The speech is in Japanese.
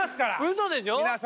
うそでしょ？